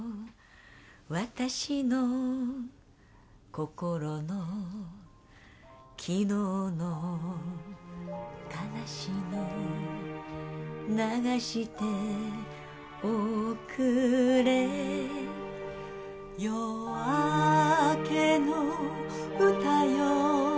私の心のきのうの悲しみ流しておくれ夜明けのうたよ